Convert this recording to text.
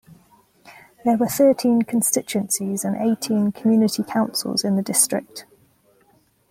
There were thirteen constituencies and eighteen community councils in the district.